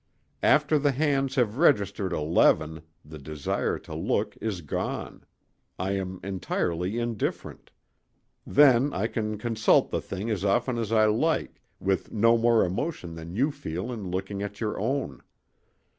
After the hands have registered eleven the desire to look is gone; I am entirely indifferent. Then I can consult the thing as often as I like, with no more emotion than you feel in looking at your own.